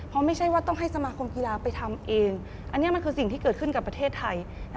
เพราะไม่ใช่ว่าต้องให้สมาคมกีฬาไปทำเองอันนี้มันคือสิ่งที่เกิดขึ้นกับประเทศไทย